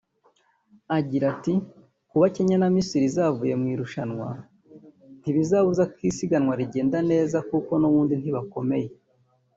Agira ati “Kuba Kenya na Misiri zavuye mu irushanwa ntibizabuza ko isiganwa rigenda neza kuko n’ubundi ntibakomeye